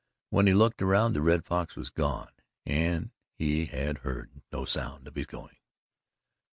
When he looked around, the Red Fox was gone, and he had heard no sound of his going.